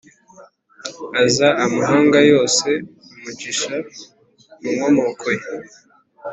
aza amahanga yose umugisha mu nkomoko ye,